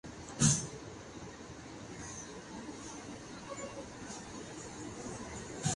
La información fue desmentida por los acusados.